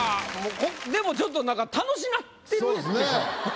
でもちょっと楽しなってるでしょ。